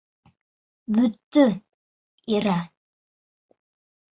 Бөттө, Ира.